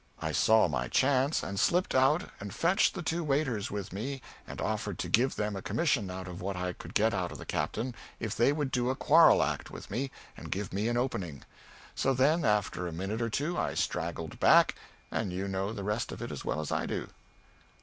I saw my chance, and slipped out and fetched the two waiters with me and offered to give them a commission out of what I could get out of the Captain if they would do a quarrel act with me and give me an opening. So, then, after a minute or two I straggled back, and you know the rest of it as well as I do."